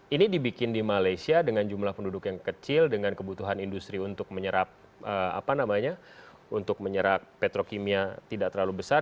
ini dibikin di malaysia dengan jumlah penduduk yang kecil dengan kebutuhan industri untuk menyerap petrokimia tidak terlalu besar